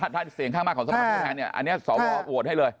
ถ้าเสียงข้างมากของสภาพผู้แทนเนี่ยอันนี้สวโหวตให้เลย